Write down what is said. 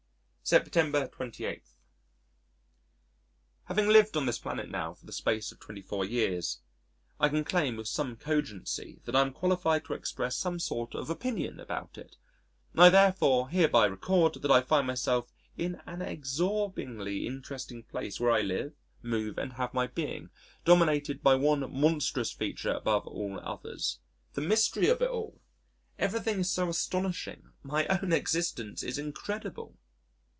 September 28. Having lived on this planet now for the space of 24 years, I can claim with some cogency that I am qualified to express some sort of opinion about it. I therefore hereby record that I find myself in an absorbingly interesting place where I live, move and have my being, dominated by one monstrous feature above all others the mystery of it all! Everything is so astonishing, my own existence so incredible!